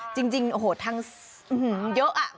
จริงโอ้โหทางเยอะอะ